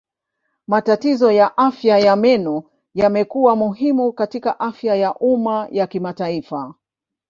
Matatizo ya afya ya meno yamekuwa muhimu katika afya ya umma ya kimataifa.